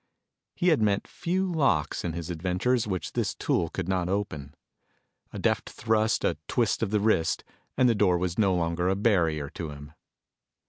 He had met few locks in his adventures which this tool could not open. A deft thrust, a twist of the wrist, and the door was no longer a barrier to him.